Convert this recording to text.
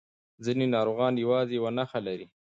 ځینې ناروغان یوازې یو نښه لري.